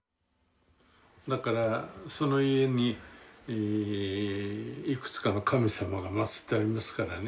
その家にいくつかの神様が祀ってありますからね。